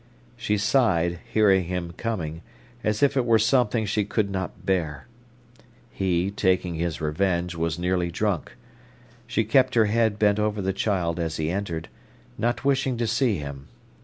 She sighed, hearing him coming, as if it were something she could not bear. He, taking his revenge, was nearly drunk. She kept her head bent over the child as he entered, not wishing to see him.